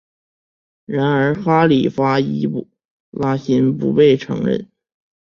然而哈里发易卜拉欣不被承认。